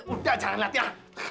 udah jangan lihat ya